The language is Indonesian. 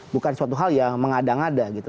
bukan suatu hal yang mengada ngada gitu